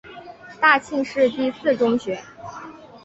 大庆市第四中学。